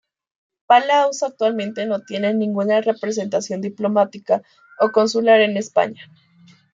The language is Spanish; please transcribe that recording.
Palaos actualmente no tiene ninguna representación diplomática o consular en España.